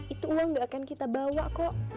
itu uang gak akan kita bawa kok